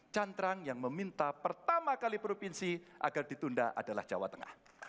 cantrang yang meminta pertama kali provinsi agar ditunda adalah jawa tengah